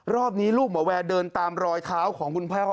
รอบนี้ลูกหมอแวร์เดินตามรอยเท้าของคุณพ่อ